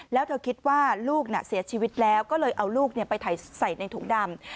แล้วเธอคิดว่าลูกเสียชีวิตแล้วก็เลยเอาลูกไปใส่ในถุงดำ